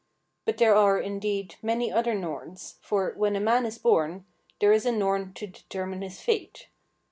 But there are, indeed, many other Norns, for, when a man is born, there is a Norn to determine his fate.